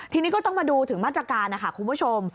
ทีนี้ก็ต้องมาดูถึงมาตรการนะคะคุณผู้ชม